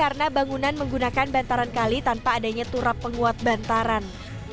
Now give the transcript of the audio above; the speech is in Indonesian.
karena bangunan menggunakan bantaran kali tanpa adanya turap penguat bantaran